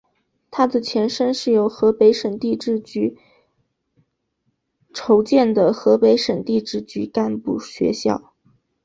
他的前身是由河北省地质局筹建的河北省地质局干部学校。